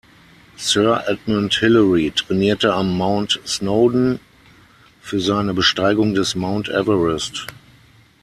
Sir Edmund Hillary trainierte am Mount Snowdon für seine Besteigung des Mount Everest.